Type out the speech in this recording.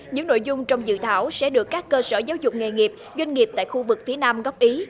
những nội dung trong dự thảo sẽ được các cơ sở giáo dục nghề nghiệp doanh nghiệp tại khu vực phía nam góp ý